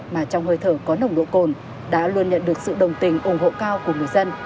mà trong hơi thở có nồng độ cồn đã luôn nhận được sự đồng tình ủng hộ cao của người dân